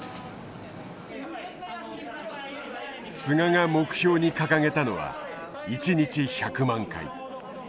菅が目標に掲げたのは一日１００万回。